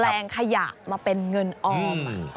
ลงขยะมาเป็นเงินออม